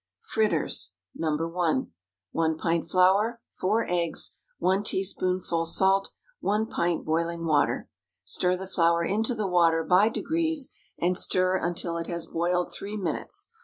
FRITTERS (No. 1.) ✠ 1 pint flour. 4 eggs. 1 teaspoonful salt. 1 pint boiling water. Stir the flour into the water by degrees, and stir until it has boiled three minutes.